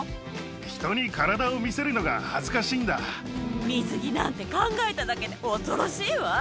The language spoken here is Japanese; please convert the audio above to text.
人に体を見せるのが恥ずかし水着なんて考えただけで恐ろしいわ。